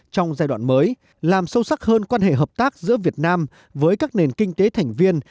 trong giai đoạn mới làm sâu sắc hơn quan hệ hợp tác giữa việt nam với các nền kinh tế thành viên